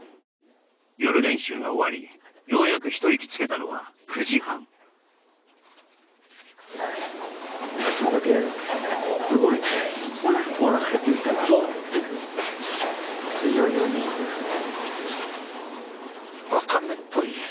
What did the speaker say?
夜練習が終わりようやく一息つけたのは９時半それ何おにぎりですか？